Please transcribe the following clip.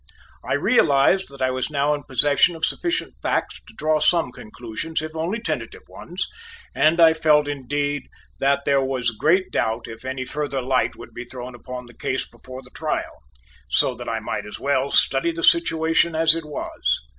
I realized that I was now in possession of sufficient facts to draw some conclusions if only, tentative ones, and I felt, indeed, that there was great doubt if any further light would be thrown upon the case before the trial, so that I might as well study the situation as it was.